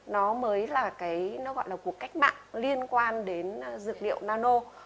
nó mới là cái nó gọi là cuộc cách mạng liên quan đến dược liệu nano